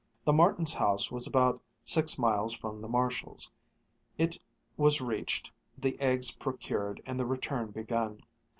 The Martins' house was about six miles from the Marshalls'. It was reached, the eggs procured, and the return begun.